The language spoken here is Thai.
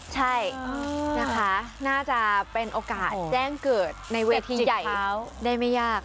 ใช่นะคะน่าจะเป็นโอกาสแจ้งเกิดในเวทีใหญ่ได้ไม่ยาก